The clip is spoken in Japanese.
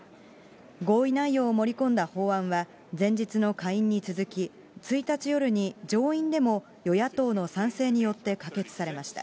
合意内容を盛り込んだ法案は、前日の下院に続き、１日夜に上院でも与野党の賛成によって可決されました。